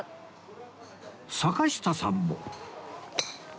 坂下さんも